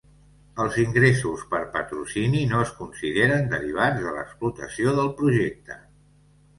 Els ingressos per patrocini no es consideren derivats de l'explotació del projecte.